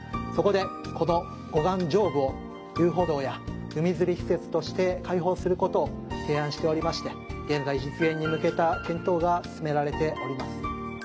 そこでこの護岸上部を遊歩道や海釣り施設として開放する事を提案しておりまして現在実現に向けた検討が進められております。